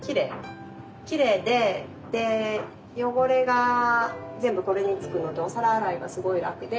きれいで汚れが全部これに付くのとお皿洗いがすごい楽で。